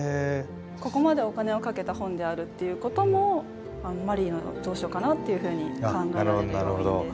ここまでお金をかけた本であるっていうこともマリーの蔵書かなっていうふうに考えられる要因です。